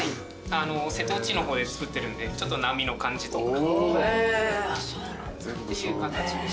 瀬戸内の方で作ってるんでちょっと波の感じとか。